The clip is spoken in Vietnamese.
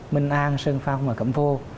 minh an sơn phong và cẩm phô